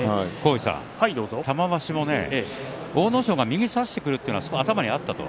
玉鷲も阿武咲が右を差しにくるというのは頭にあったと。